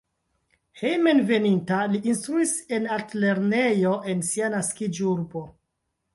Hejmenveninta li instruis en altlernejo en sia naskiĝurbo.